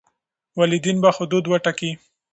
والدین به حدود وټاکي.